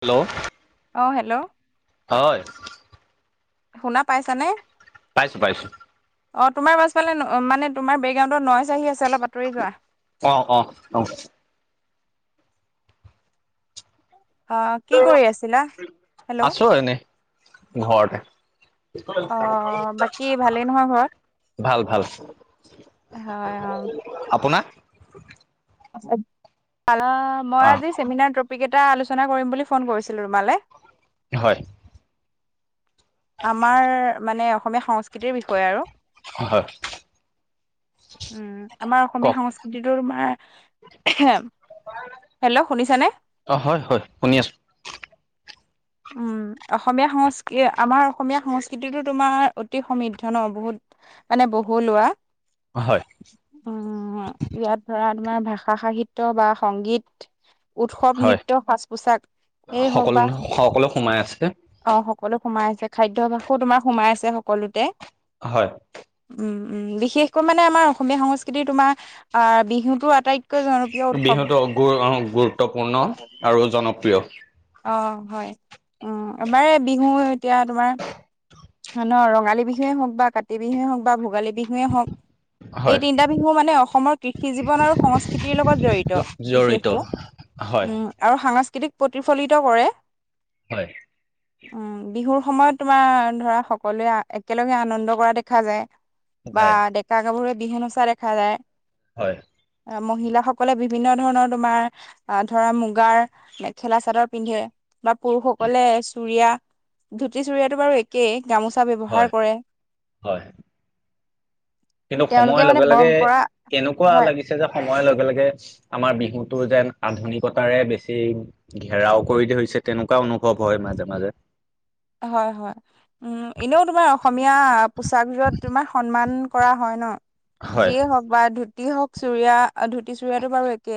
Hello. আহ hello হয় শুনা পাইছানে? পাইছো পাইছো। অ তোমাৰ পাছফালে মানে তোমাৰ বেগ্ৰাউডত নৰ চাহি আছে অলপ আতৰি যোৱা। অ অ অ। অ কি কৰি আছিলা? হেল্ল'? আছো এনেই ঘৰতে। অ বাকী ভালেই নহয় ঘৰত ভাল ভাল। হয় অ। আপোনা? মই অ আজি চেমিনাৰ টপিক এটা আলোচনা কৰিম বুলি ফোন কৰিছিলোঁ তোমালে। হয়। আমাৰ মানে অসমীয়া সংস্কৃতিৰ বিষয়ে আৰু। হয়। উম। আমাৰ অসমীয়া কওক সংস্কৃতিটো তোমাৰ হেল্ল' শুনিছানে? অ হয় হয় শুনি আছো। উম। অসমীয়া সংস্কৃ আমাৰ অসমীয়া সংস্কৃতিতো তোমাৰ অতি সমৃদ্ধ ন বহুত। মানে বহুলোৱা। হয়। উম। ইয়াত ধৰা তোমাৰ ভাষা সাহিত্য বা সংগীত উৎসৱ, হয় নৃত্য, সাজ পোচাক এই সকলো হওক বা সকলো সোমাই আছে। অ সকলো সোমাই আছে খাদ্যভাসো তোমাৰ সোমাই আছে সকলোতে। হয়। উম উম, বিশেষকৈ মানে আমাৰ অসমীয়া সংস্কৃতিৰ তোমাৰ আহ বিহুটো আটাইত বিহুটো গুৰুত্বপূৰ্ণ আৰু জনপ্ৰিয়। অ হয়। উম এবাৰে বিহু এতিয়া তোমাৰ ন ৰঙালী বিহুৱে হওক বা কাতি বিহুৱে হওক বা ভোগালী বিহুৱে হওক। এই হয় তিনিটা বিহু মানে অসমৰ কৃষি জীৱন আৰু সংস্কৃতিৰ লগত জড়িত জড়িত বিশেষকে। হয়। উম আৰু সাংস্কৃতিক প্ৰতিফলিত কৰে। হয়। উম। বিহুৰ সময়ত তোমাৰ ধৰা সকলোৱে একেলগে আনন্দ কৰা দেখা যায়। বা যায় ডেকা গাভৰু বিহু নচা দেখা যায়। হয়। মহিলাসকলে বিভিন্ন ধৰণৰ তোমাৰ ধৰা মুগাৰ মেখেলা-চাদৰ পিন্ধে বা পুৰুষসকলে চুৰিয়া-ধুতি চুৰিয়াটো বাৰু একেই। গামোচা হয় ব্যৱহাৰ কৰে। হয় কিন্তু তেওঁলোকে সময়ৰ মানে লগে লগে পৰম্পৰা কেনেকুৱা হয় লাগিছে যে সময়ৰ লগে লগে আমাৰ বিহুতো যেন আধুনিকতাৰে বেছি ঘেৰাও কৰি ধৰিছে তেনেকুৱা অনুভৱ হয় মাজে মাজে। হয় হয়। উ এনেও তোমাৰ অসমীয়া পোচাকজোৰত তোমাৰ সন্মান কৰা হয় ন। হয় যিয়েই হওক বা ধুতি হওক চুৰিয়া ধুতি চুৰিয়াটো বাৰু একে।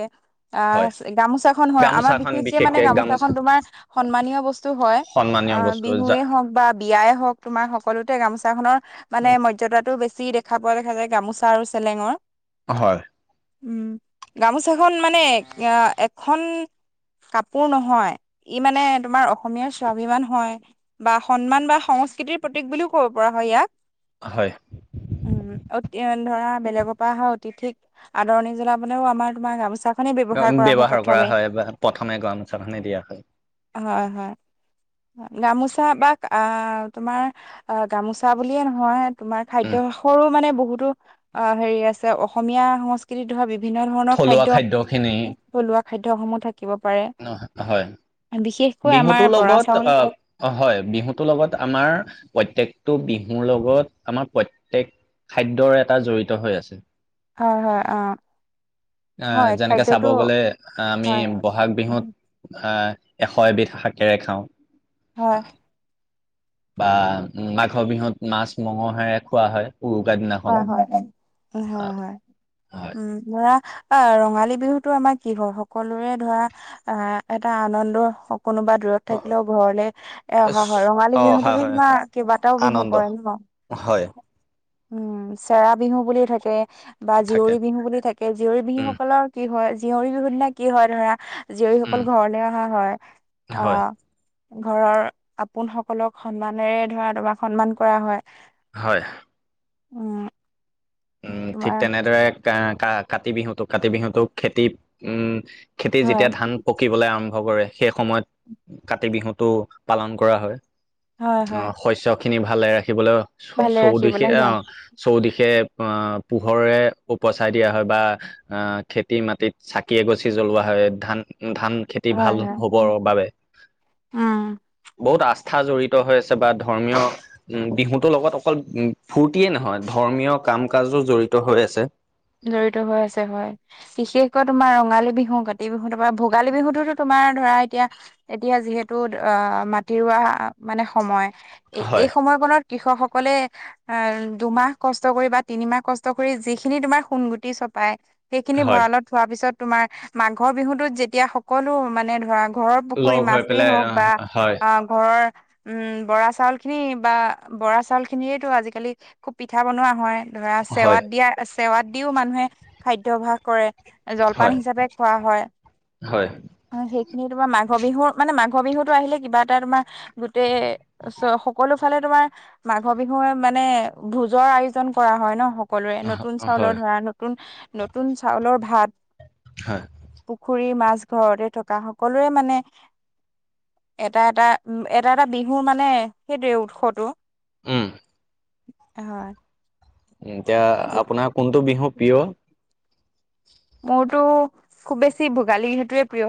হয় আহ গামোচাখন হয় আমাৰ গামোচাখন বিশেষকে মানে গামোচাখন গামোচা তোমাৰ সন্মানীয় বস্তু হয়। সন্মানীয় আহ বস্তু যা বিহুৱে হওক বা বিয়াই হওক তোমাৰ সকলোতে গামোচা খনৰ মানে মৰ্যদাটো বেছি দেখ- খা পোৱা দেখা যায় গামোচা আৰু চেলেঙৰ। হয়। উম গামোচাখন মানে এ এখন কাপোৰ নহয় ই মানে তোমাৰ অসমীয়া স্বাভিমান হয়। বা সন্মান বা সংস্কৃতিৰ প্ৰতীক বুলিও কব পৰা হয় ইয়াক। হয়। উম অত ধৰা বেলেগৰ পৰা অহা অতিথিক আদৰি জনাবলৈও আমাৰ তোমাৰ গামোচা ব্যৱহাৰ কৰা হয় বা প্ৰথমে গামোচা খনে দিয়া হয়। হয় হয়। গামোচা বা আ তোমাৰ আ গামোচা বুলিয়ে নহয় তোমাৰ উম খাদ্যভাসৰো মানে বহুতো অ হেৰি আছে অসমীয়া সংস্কৃতি ধৰা বি- ভিন্ন ধৰণৰ থলুৱা খাদ্য খাদ্যখিনি থলুৱা খাদ্য সমূহ থাকিব পাৰে। অ হয় বিশেষকৈ আমাৰ বিহুতো বৰা লগত চাউল আহ হয়, অ হয় বিহুতো লগত আমাৰ প্ৰত্যকটো বিহুৰ লগত আমাৰ প্ৰত্যক খাদ্যৰ এটা জড়িত হৈ আছে। অ হয় অ। আহ হয় যেনেকে চাব খাদ্যটো গ'লে আমি হয়। বহাগ বিহুত আ এশ এবিধ শাকেৰে খাওঁ। হয়। বা মাঘৰ বিহুত মাছ মঙৰহেৰে খোৱা হয়। উৰুকা দিনা হয় হয় হয় হয় হয় উম। ধৰা অ ৰঙালী বিহুতো আমাৰ কি হল সকলোৰে ধৰা আহ এটা আনন্দ কোনোবা দূৰত থাকিলেও ঘৰলে এ অহা হয়, ৰঙালী অ বিহুতো হয় হয় তোমাৰ কেইবাটাও বিহু আনন্দ পৰে ন। হয়। উম চেৰা বিহু বুলিও থাকে বা থাকে জীয়ৰী বিহু বুলিও থাকে জীয়ৰী উম বিহুসকলক কি হয় জীয়ৰী বিহুত নে কি হয় ধৰা উম জীয়ৰীসকল ঘৰলৈ অহা হয়। হয় অহ ঘৰৰ আপোন সকলক সন্মানেৰে ধৰা তোমাক সন্মান কৰা হয়। হয় অ উম ঠিক তেনেদৰে কা কাতি বিহুটোক কাতি বিহুটোক খেতি উম খেতি হয় যেতিয়া ধান পকিবলৈ আৰম্ভ কৰে। সেই সময়ত কাতি বিহুতো পালন কৰা হয়। হয় অ হয় শস্য খিনি ভালে ৰাখিবলৈ ভালে ৰাখিবলে চৌদিশে অ হয় চৌদিশে অ পোহৰে উপচাই দিয়া হয় বা আহ খেতি মাটিত চাকি এগছি জ্বলোৱা হয় ধান ধান খে খেতি হয় ভাল হবৰ হয় বাবে উম বহুত আস্থা জড়িত হৈ আছে বা ধৰ্মীয় উম বিহুটোৰ লগত অকল ফূৰ্তিয়ে নহয় ধৰ্মীয় কাম কাজো জড়িত হৈ আছে। জড়িত হৈ আছে হয়। বিশেষকৈ তোমাৰ ৰঙালী বিহু কাতি বিহু তাৰপৰা ভোগালী বিহুটোতো তোমাৰ ধৰা এতিয়া এতিয়া যিহেতু অ মাটি ৰুৱা মানে সময় এই হয়, সময় কনত কৃষক সকলে আহ দুমাহ কষ্ট কৰি বা তিনিমাহ কষ্ট কৰি যিখিনি তোমাৰ সোনগুটি চপাই সেইখিনি হয়, ভঁৰালত থোৱাৰ পিছত তোমাৰ মাঘৰ বিহুটোত যেতিয়া সকলো মানে ধৰা ঘৰৰ পুখুৰী লগ হৈ মাছেই পেলাই হওক আহ বা হয়, অ ঘৰৰ উম বৰা চাউলখিনি বা বৰা চাউল খিনিয়েতো আজিকালি খুব পিঠা বনোৱা হয় ধৰা হয়, চেৱাত দিয়া চেৱাত দিও মানুহে খাদ্যাভাস কৰে জলপান হয়। হিচাপে খোৱা হয়। হয়, সেইখিনি তোমাৰ মাঘ বিহু মানে মাঘ বিহুতো আহিলে কিবা এটা তোমাৰ গোটেই চ সকলো ফালে তোমাৰ মাঘ বিহুৱে মানে ভোজৰ আয়োজন কৰা হয় ন সকলোৰে নতুন হয়, চাউলত আ নতুন নতুন চাউলৰ ভাত হয় পুখুৰীৰ মাছ ঘৰতে থকা সকলোৰে মানে এটা এটা এটা এটা বিহু মানে সেইটোৱে উৎসটো উম, হয় উ এতিয়া আপোনাৰ কোনটো বিহু প্ৰিয়? মোৰতো খুব বেছি ভোগালী বিহুটোৱে প্ৰিয়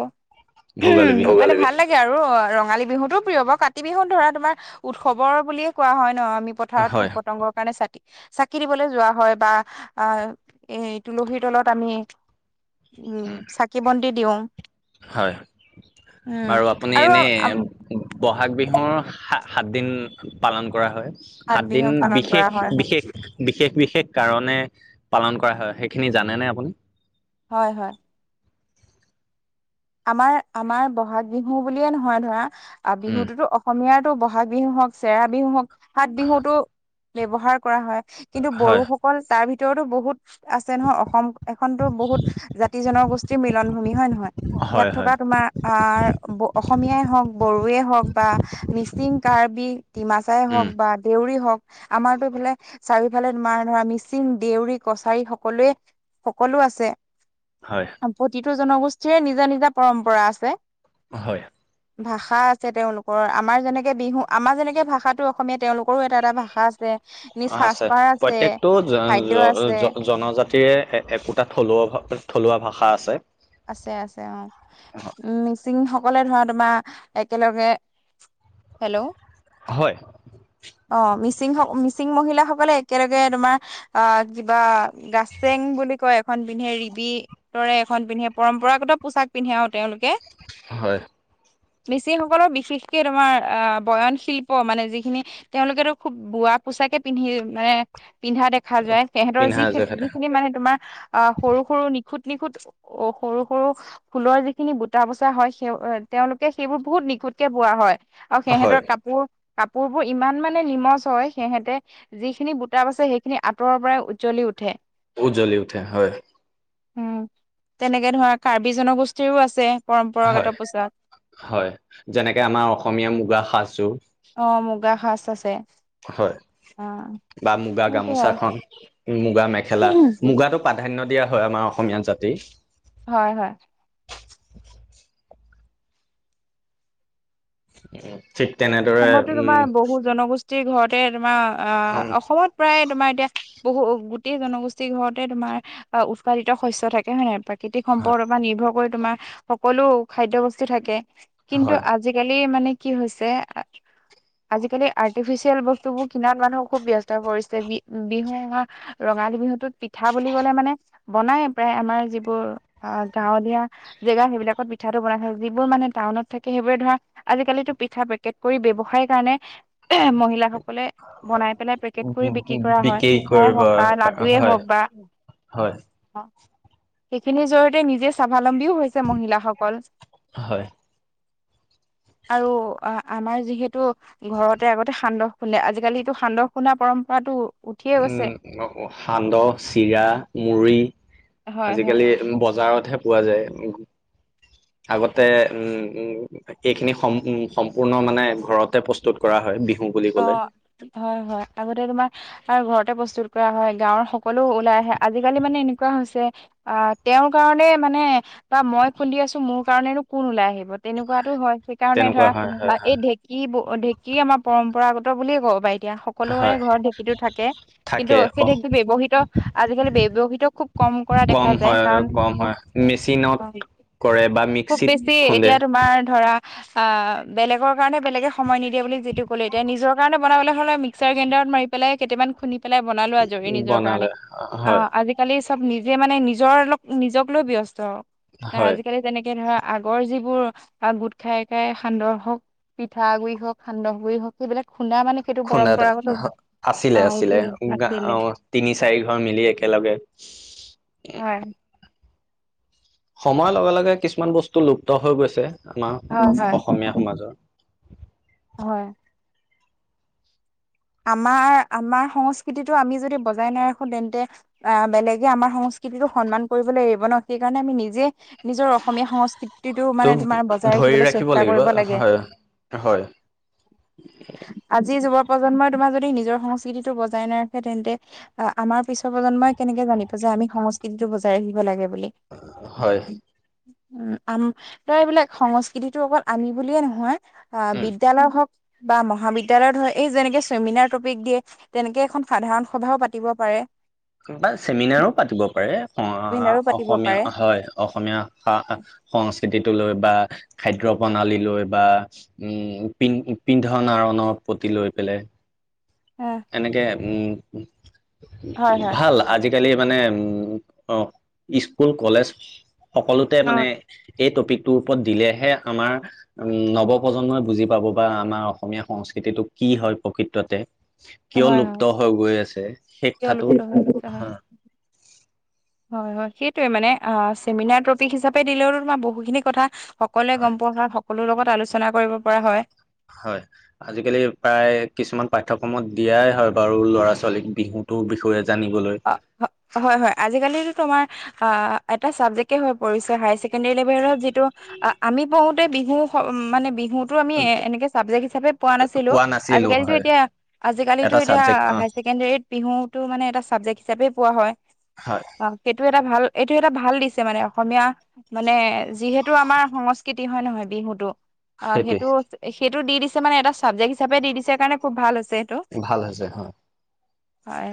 ওমহ ভোগালী ভাল লাগে আৰু ৰঙালী বিহুতো প্ৰিয় বাও কাতি বিহু ধৰা তোমাৰ উৎসৱৰ বুলিয়ে কোৱা হয় ন আমি প থাৰত হয় পোক পতংগৰ কাৰণে চাকি চাকি দিবলে যোৱা হয় বা আ এ তুলসীৰ তলত আমি উম চাকি বন্তি দিও হয় উম আপুনি আৰু এনে আ বহাগ বিহুৰ সা সাত দিন পালন কৰা হয়। ভাত সাতদিন বিহু পালন কৰা বিশেষ হয় বিশেষ বি শেষ বিশেষ কাৰণে পালন কৰা হয় সেইখিনি জানেনে আপুনি? হয় হয় আমাৰ আমাৰ বহাগ বিহু বুলিয়ে নহয় ধৰা উম বিহুটোতো অ অসমীয়াৰতো বহাগ বিহু হওক চেৰা বিহু হওক সাত বিহুতো ব্যৱহাৰ কৰা হয়। কিন্তু হয় বড়োসকল তাৰ ভিতৰতো বহুত আছে নহয় অসম এখনতো বহুত জাতি জনগোষ্ঠীৰ মিলন ভূমি হয় না ইয়াত হয় থকা হয় তোমাৰ আহ অসমীয়াই হওক বড়োৱে হওক বা মিচিং কাৰ্বি ডিমাচাই উম হওক বা দেউৰী হওক আমাৰতো ফালে চাৰিও সেইফালে তোমাৰ ধৰা মিচিং, দেউৰী, কছাৰী সকলোৱে সকলো আছে। হয় প্ৰতিটো জনগোষ্ঠীৰে নিজা নিজা পৰম্পৰা আছে হয় ভাষা আছে তেওঁলোকৰ। আমাৰ যেনেকে বিহু আমাৰ যেনেকে ভাষা তো অসমীয়া তেওঁলোকৰো এটা এটা ভাষা আছে, নিজ অ', আছে সাজপাৰ আছে, প্ৰত্যেকটো খাদ্য আছে। জনজাতিৰে একোটা থলুৱা থলুৱা ভাষা আছে। আছে আছে অঁ। মিচিং সকলে ধৰা তোমাৰ একেলগে হেল্ল' হয় অ মিচিং মিচিং মহিলাসকলে একেলগে তোমাৰ, অ কিবা গাছেং বুলি কয় এখন পিন্ধে ৰিবি তৰে এখন পিন্ধে, পৰম্পৰাগত পোছাক পিন্ধে আৰু তেওঁলোকে। হয়। মিচিংসকলৰ বিশেষকে তোমাৰ আহ বয়ন শিল্প মানে যিখিনি। তেওঁলোকেতো খুব বোৱা পোচাকে পিন্ধি মানে পিন্ধা দেখো। দেখা যায়। সিহঁতৰ পিন্ধা যিখিনি, জেখেতা যিখিনি মানে তোমাৰ আঁহ সৰু-সৰু নিখুত-নিখুত- সৰু-সৰু ফুলৰ যিখিনি বুটা বচা হয়, সেই তেওঁলোকে সেইবোৰ বহুত নিখুঁতকে বোৱা হয়। আৰু হয় সিহঁতৰ কাপোৰ কাপোৰবোৰ ইমান মানে নিমজ হয় সিহঁতে যিখিনি বুটা বাচে সেইখিনি আঁতৰৰ পৰাই উজ্জ্বলি উঠে। উজ্বলি উঠে হয়। উম। তেনেকে ধৰা কাৰ্বি জনগোষ্ঠীৰও আছে হয় পৰম্পৰাগত পোছাক। হয়। যেনেকে আমাৰ অসমীয়া মুগা সাজ-যোৰ। অহ মুগা সাজ আছে। হয়। অ বা মুগা সেইটোৱে আৰু গামোচাখন, মুগা মেখেলা, মুগাটো প্ৰাধান্য দিয়া হয়, আমাৰ অসমীয়া জাতিৰ। হয় হয়। ঠিক তেনেদৰে অসমতো উম তোমাৰ বহু জনগোষ্ঠীৰ ঘৰতে তোমাৰ উম আঁহ অসমত প্ৰায় তোমাৰ এতিয়া বহু গোটেই জনগোষ্ঠীৰ ঘৰতে তোমাৰ উৎপাদিত শস্য থাকে হয় নাই। প্ৰাকৃতিক সম্পদৰ পৰা নিৰ্ভৰ কৰি তোমাৰ সকলো খাদ্যৰ বস্তু থাকে। কিন্তু হয় আজি- আজিকালি মানে কি হৈছে- আজিকালি আৰ্টিফিচিয়েল বস্তুবোৰ কিনাত মানুহ খুব ব্যস্ত হৈ পৰিছে। বিহু [unintelligible] ৰঙালী বিহুতো'ত পিঠা বুলি ক'লে মানে বনাই প্ৰায়, আমাৰ যিবোৰ অ গাঁৱলীয়া জেগা সেইবিলাকত পিঠাটো বনাই থাকে। যিবোৰ মানে টাউন থাকে সেইবোৰে ধৰা আজিকালি পিঠা পেকেট, কৰি ব্যৱসায় কাৰণে মহিলাসকলে। বনাই পেলাই পেকেট কৰি বিক্ৰী কৰা হয়, পিঠাই হওক বা, লাডুয়ে হয় হওক বা। হয়। অ সেইখিনিৰ জৰিয়তে নিজে স্বাৱলম্বীও হৈছে মহিলাসকল। হয় আৰু আঁহ- আমাৰ যিহেতু ঘৰতে আগতে সান্দহ খুন্দে আজিকালিটো সান্দহ খুন্দা পৰম্পৰাতটো, উমঁ সান্দহ, চিৰা, মুড়ি হয় হয়। আজিকালি- বজাৰত হে পোৱা যায়। আগতে উম উম- এইখিনি সম উম সম্পূৰ্ণ মানে ঘৰতে প্ৰস্তুত কৰা হয় বিহু। বুলি ক'লে অঁহ হয়, হয়। আগতে তোমাৰ- আৰু ঘৰতে প্ৰস্তুত কৰা হয়ো গাঁৱৰ সকলো ওলাই আহে। আজিকালি মানে এনেকুৱা হৈছে আঁহ তেওঁৰ কাৰণে মানে বা মই খুন্দি আছো মোৰ কাৰণেনো কোন ওলাই আহিব। তেনেকুৱাটো হয়। সেইকাৰণে তেনেকুৱা ধৰা হয় হয় এই ঢেঁকী, ঢেঁকী আমাৰ- পৰম্পৰাগত বুলিয়ে কব পাৰি এতিয়া। হয় সকলোৰে হয় ঘৰত ঢেঁকীটো থাকে। কিন্তু সেই থাকে ঢেঁকীটো ব্যয়ৱহৃত, আজিকালি ব্যয়ৱহৃত খুব- ক'ম কৰা কম দেখা যায়। হয় কাৰণ কম মানুহ- হয় মেচিনত কৰে বা খুব মিক্সিত বেছি খুন্দে এতিয়া তোমাৰ ধৰা, আঁহ বেলেগৰ কাৰণে, বেলেগে সময় নিদিয়ে বুলি যিটো, ক'লে এতিয়া। নিজৰ কাৰণ বনাবলৈ হ'লে মিক্সাৰ গ্ৰেণ্ডাৰত মাৰি পেলাই কেইটামান [unintelligible] পেলাই বনালো আজৰি নিজৰ কাৰণে বনালে হয় আজি। আজিকালি চব নিজে মানে নিজৰ লগ নিজক লৈ ব্যস্ত হয় আজিকালি তেনেকে ধৰা আগৰ যিবোৰ গোট খাই খাই সান্দহ হওক, পিঠা গুৰি হওক, সান্দহ গুৰি হওক সেইবিলাক খোন্দা মানে সেইটো খুন্দাত পৰম্পৰাগতড অঁহ [unintelligible] আছিলে। তিনি-চাৰি ঘৰ মিলি একেলগে। হয়। সময়ৰ লগে-লগে কিছুমান বস্তু লুপ্ত হৈ গৈছে আমাৰ হয় হয় অসমীয়া সমাজৰ। হয়। আমাৰ আমাৰ সংস্কৃতিটো আমি যদি বজাই নাৰাখো তেন্তে আহ বেলেগে আমাৰ সংস্কৃতিটোক সন্মান কৰিবলৈ এৰিব ন'। সেইকাৰণে আমি নিজে নিজৰ অসমীয়া সংস্কৃ তিটো ত' মানে তোমাৰ বজাই ধৰি ৰাখিবলৈ ৰাখিব চেষ্টা লাগিব কৰিব লাগে। হয় হয় আজি যুৱ প্ৰজন্মই তোমাৰ যদি নিজৰ সংস্কৃতিটো বজাই নাৰাখে তেন্তে আমাৰ পিছৰ প্ৰজন্মই কেনেকে জানিব যে আমি সংস্কৃতিটো বজাই ৰাখিব লাগে বুলি হয় [unintelligible] উম আম তই এইবিলাক সংস্কৃতিটো অকল আমি বুলিয়ে নহয় অ উম বিদ্যালয় হওক বা মহাবিদ্যালয় ধৰক এই যেনেকে ছেমিনাৰ টপিক দিয়ে তেনেকে এখন সাধাৰণ সভাও পাতিব পাৰে। বা চেমিনাৰো পাতিব পাৰে অ চেমিনাৰো পাতিব অসমীয়া পাৰে হয় অসমীয়া সা সংস্কৃতিটো লৈ বা খাদ্য প্ৰণালী লৈ বা উম পি পিন্ধন আৰণৰ প্ৰতি লৈ পেলে এ এনেকে উম হয় হয় ভালা আজিকালি মানে উম স্কুল, কলেজ সকলোতে অ মানে এই টপিকটোৰ ওপৰত দিলেহে আমাৰ উম নৱ প্ৰজন্মই বুজি পাব বা আমাৰ অসমীয়া সংস্কৃতিটো কি হয় প্ৰকৃততে কিয় হয় লুপ্ত হয় হৈ গৈ আছে সেই কথাটো, তেওঁলোকেতো উপকৃত হয় হা হয় হয় সেইটোৱে মানে অ চেমিনাৰ টপিক হিচাপে দিলেও তোমাৰ বহুখিনি কথা সকলোৱে গম পোৱা হয় সকলো লগত আলোচনা কৰিব পৰা হয়। হয় আজিকালি প্ৰায় কিছুমান পাঠ্যক্ৰমত দিয়াই হয় বাৰু ল'ৰা ছোৱালীক বিহুটোৰ বিষয়ে জানিবলৈ অ হ হয় হয় আজিকালিতো তোমাৰ অ এটা চাবজেক্ট হৈ পৰিছে হাই চেকেণ্ডৰী লেভেলত যিটো আমি পঢ়োতে বিহু মানে বিহুত টো আমি এনেকে চাবজেক্ট হিচাপে পোৱা নাছিলো নাছিলো আজিকালিটো হয় এতিয়া আজিকালিটো এটা এতিয়া চাবজেক্ট অ হায় ছেকেণ্ডৰীত বিহুটো মানে এটা চাবজেক্ট হিচাপে পোৱা হয় হয় অ সেইটো এটা ভাল এইটো এটা ভাল দিছে মানে অসমীয়া মানে যিহেতু আমাৰ সংস্কৃতি হয় নহয় বিহুটো অ সেইটোৱে সেইটো সেইটো দি দিছে মানে এটা চাবজেক্ট হিচাপে দি দিছে কাৰণে খুব ভাল হৈছে। এইটো ভাল হৈছে হয়। হয়